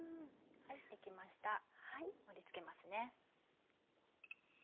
出来ました盛り付けます。